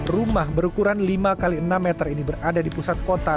rumah berukuran lima x enam meter ini berada di pusat kota